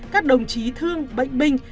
các đồng chí thương bệnh binh